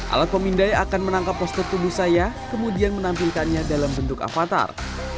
alat pemindai akan menangkap postur tubuh saya kemudian menampilkannya dalam bentuk avatar